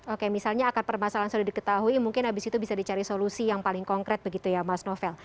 oke misalnya akar permasalahan sudah diketahui mungkin habis itu bisa dicari solusi yang paling konkret begitu ya mas novel